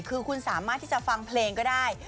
คือคุณสามารถที่จะฟังเพลงก็ได้